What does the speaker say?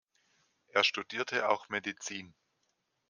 Er studierte auch Medizin.